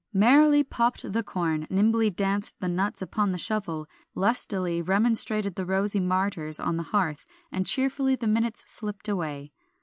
Merrily popped the corn, nimbly danced the nuts upon the shovel, lustily remonstrated the rosy martyrs on the hearth, and cheerfully the minutes slipped away.